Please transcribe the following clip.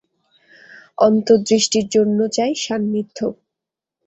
অন্তর্দৃষ্টির জন্য চাই সান্নিধ্য।